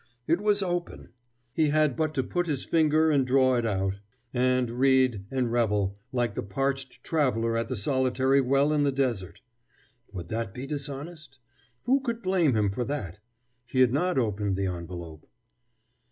It was open! He had but to put in his finger and draw it out, and read, and revel, like the parched traveler at the solitary well in the desert. Would that be dishonest? Who could blame him for that? He had not opened the envelope....